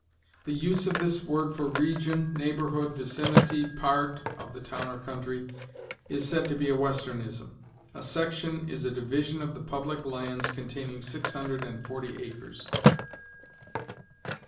The use of this word for region, neighborhood, vicinity, part (of the town or country), is said to be a Westernism. A section is a division of the public lands containing six hundred and forty acres.